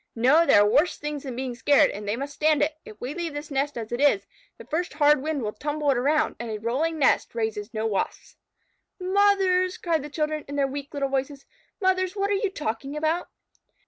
"No! There are worse things than being scared, and they must stand it. If we leave this nest as it is, the first hard wind will tumble it around, and a rolling nest raises no Wasps." "Mothers!" cried the children, in their weak little voices. "Mothers! What are you talking about?"